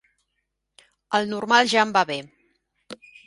El normal ja em va bé.